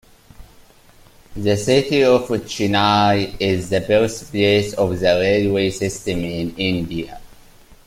The city of Chennai is the birthplace of the railway system in India.